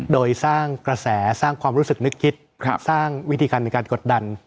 โดยสร้างกระแสสร้างความรู้สึกนึกคิดสร้างวิธีการในการกดดัน